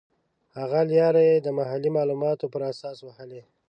هغه لیارې یې د محلي معلوماتو پر اساس وهلې.